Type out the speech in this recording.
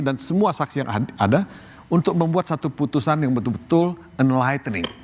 dan semua saksi yang ada untuk membuat satu putusan yang betul betul enlightening